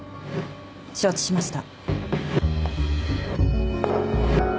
承知しました。